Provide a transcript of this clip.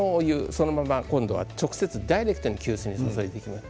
そのまま今度は直接ダイレクトに急須に注いでいきます。